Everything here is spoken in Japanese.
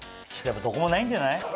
どこもないんじゃない？